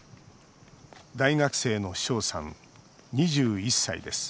大学生の翔さん、２１歳です